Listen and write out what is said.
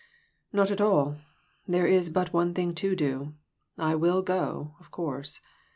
" "Not at all; there is but one thing to do ; I will go, of course.